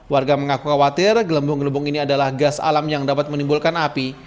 warga mengaku khawatir gelembung gelembung ini adalah gas alam yang dapat menimbulkan api